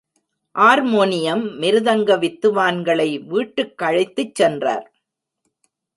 Harmonium, மிருதங்க வித்துவான்களை வீட்டுக்கழைத்துச் சென்றார்.